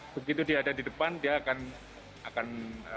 begitu dia ada di depan dia akan